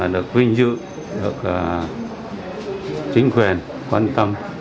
được vinh dự được chính quyền quan tâm